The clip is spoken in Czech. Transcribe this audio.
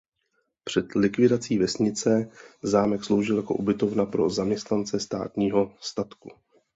Před likvidací vesnice zámek sloužil jako ubytovna pro zaměstnance státního statku.